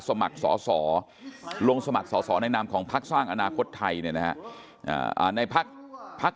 สมัครสอลงสมัครสอในนามของภาคสร้างอนาคตไทยในภาค